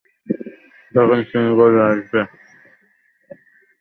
যখন চিনি গলে আসবে, তখন একটা একটা করে ডিম দিতে হবে।